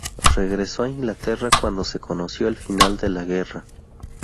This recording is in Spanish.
Regresó a Inglaterra cuando se conoció el final de la Guerra.